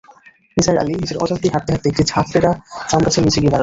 নিসার আলি নিজের অজান্তেই হাঁটতে-হাঁটতে একটা ঝাঁকড়া জামগাছের নিচে গিয়ে দাঁড়ালেন।